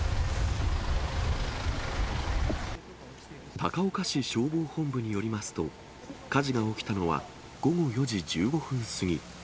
高岡市消防本部によりますと、火事が起きたのは午後４時１５分過ぎ。